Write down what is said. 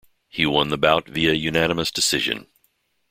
He won the bout via unanimous decision.